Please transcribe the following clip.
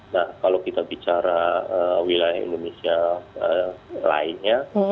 nah kalau kita bicara wilayah indonesia lainnya